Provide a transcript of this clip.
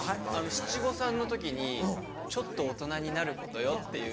七五三の時に「ちょっと大人になることよ」っていう。